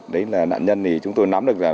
đấy là nạn nhân thì chúng tôi nắm được rằng